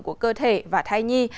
của cơ thể và thai nhi